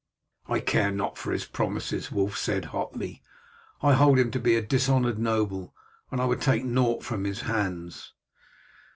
"I care not for his promises," Wulf said hotly. "I hold him to be a dishonoured noble, and I would take naught from his hands."